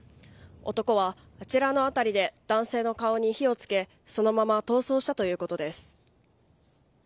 男はあちらの辺りで男性の顔に火を付けそのまま逃走したということです。